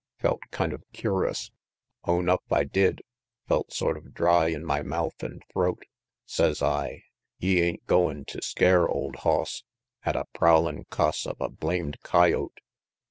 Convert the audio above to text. Felt kind of cur'us own up I did; Felt sort of dry in my mouth an' throat. Sez I, "Ye ain't goin' tew scare, old hoss, At a prowlin' coss of a blamed coyote?"